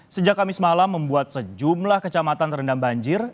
sejak kamis malam membuat sejumlah kecamatan terendam banjir